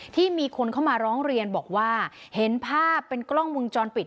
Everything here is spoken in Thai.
ที่มีคนเข้ามาร้องเรียนบอกว่าเห็นภาพเป็นกล้องวงจรปิด